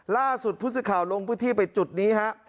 ล่าสุดผู้สื่อข่าวลงพื้นที่ไปจุดนี้ฮะ